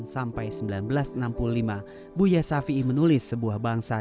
sampai seribu sembilan ratus enam puluh lima buya shafi'i menulis sebuah bangsa